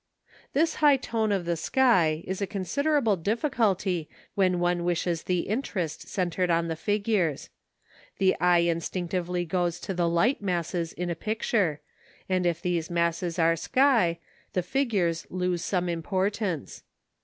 This high tone of the sky is a considerable difficulty when one wishes the interest centred on the figures. The eye instinctively goes to the light masses in a picture, and if these masses are sky, the figures lose some importance.